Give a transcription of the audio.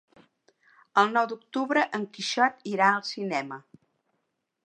El nou d'octubre en Quixot irà al cinema.